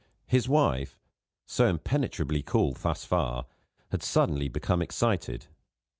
His wife (so impenetrably cool, thus far) had suddenly become excited.